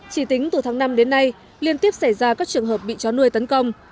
chỉ tính từ tháng năm đến nay liên tiếp xảy ra các trường hợp bị chó nuôi tấn công